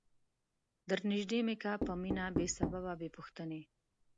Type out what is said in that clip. در نیژدې می که په مینه بې سببه بې پوښتنی